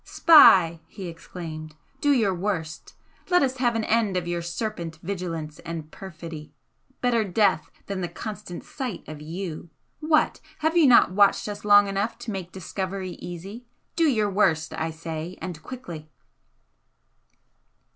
"Spy!" he exclaimed "Do your worst! Let us have an end of your serpent vigilance and perfidy! better death than the constant sight of you! What! Have you not watched us long enough to make discovery easy? Do your worst, I say, and quickly!"